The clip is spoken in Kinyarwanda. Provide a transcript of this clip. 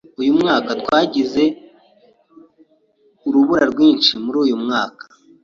Uyu mwaka twagize urubura rwinshi muri uyu mwaka.